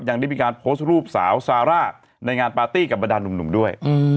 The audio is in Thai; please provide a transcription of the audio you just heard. ยังได้มีการโพสต์รูปสาวซาร่าในงานปาร์ตี้กับบรรดานหนุ่มด้วย